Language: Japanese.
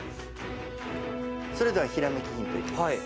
それではひらめきヒントいきます。